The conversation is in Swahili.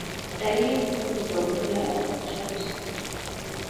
Dalili muhimu za ugonjwa wa kichaa cha mbwa ni sauti kuendelea kupungua mpaka kupooza